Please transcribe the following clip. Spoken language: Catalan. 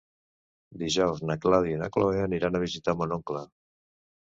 Dijous na Clàudia i na Cloè aniran a visitar mon oncle.